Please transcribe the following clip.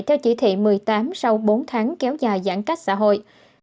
theo chỉ thị một mươi tám sau bốn tháng kéo dài giãn cách xã hội